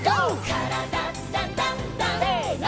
「からだダンダンダン」せの！